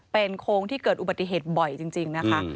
เป็นโค้งที่เกิดอุบัติเหตุบ่อยจริงนะคะ